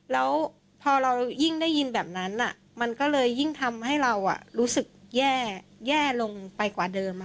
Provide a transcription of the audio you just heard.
แล้วพอเรายิ่งได้ยินแบบนั้นมันก็เลยยิ่งทำให้เรารู้สึกแย่ลงไปกว่าเดิม